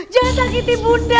jangan sakiti bunda